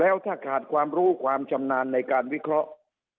แล้วถ้าขาดความรู้ความชำนาญในการวิเคราะห์